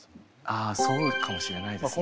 あそうかもしれないですね。